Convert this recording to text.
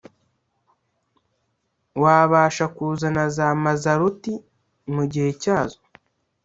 Wabasha kuzana za Mazaroti mu gihe cyazo